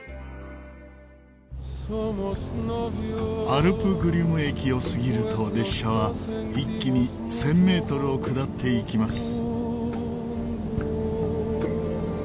アルプ・グリュム駅を過ぎると列車は一気に１０００メートルを下っていきます。